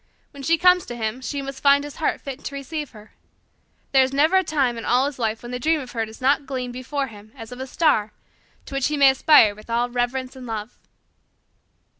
When she comes to him she must find his heart fit to receive her. There is never a time in all his life when the dream of her does not gleam before him as of a star to which he may aspire with all reverence and love."